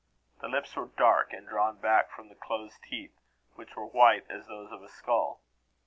The lips were dark, and drawn back from the closed teeth, which were white as those of a skull.